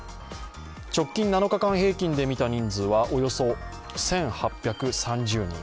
直近７日間平均で見た人数はおよそ１８３０人。